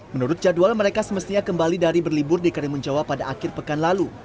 menurut jadwal mereka semestinya kembali dari berlibur di karimun jawa pada akhir pekan lalu